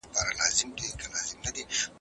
زه د لوبو لپاره وخت نيولی دی؟